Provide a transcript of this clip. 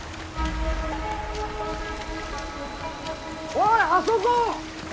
おいあそこ！